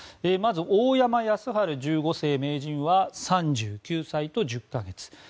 まず、大山康晴十五世名人は３９歳と１０か月。